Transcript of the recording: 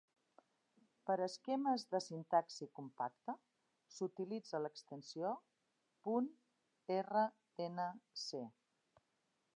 Per a esquemes de sintaxi compacta, s'utilitza l'extensió ".rnc".